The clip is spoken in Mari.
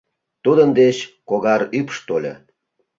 Тудын деч когар ӱпш тольо.